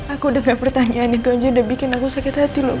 aku dengar pertanyaan itu aja udah bikin aku sakit hati loh